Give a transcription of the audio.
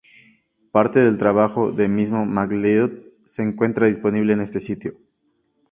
Parte del trabajo de mismo MacLeod se encuentra disponible en este sitio.